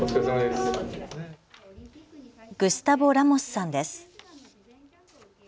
グスタヴォ・ラモスさんです。